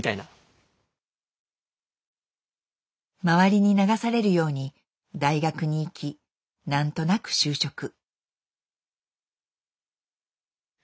周りに流されるように大学に行きなんとなく就職。